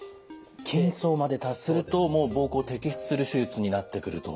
筋層まで達するともう膀胱摘出する手術になってくると。